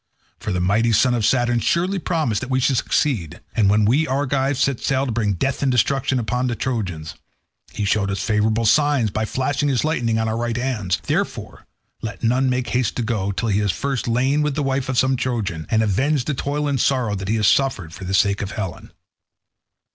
For the mighty son of Saturn surely promised that we should succeed, when we Argives set sail to bring death and destruction upon the Trojans. He showed us favourable signs by flashing his lightning on our right hands; therefore let none make haste to go till he has first lain with the wife of some Trojan, and avenged the toil and sorrow that he has suffered for the sake of Helen.